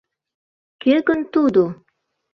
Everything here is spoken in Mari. Кӧ гын тудо?